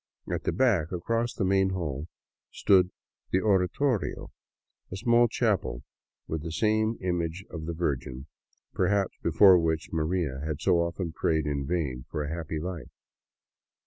At the back, across the main hall, stood the oratorio, a small chapel with the same simple image of the Virgin, perhaps, be fore which " Maria " had so often prayed in vain for a happy life.